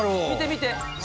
見て見て。